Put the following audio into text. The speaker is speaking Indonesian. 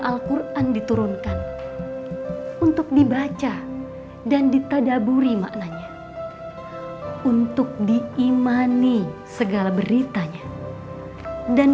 al quran diturunkan untuk dibaca dan ditadaburi maknanya untuk diimani segala beritanya dan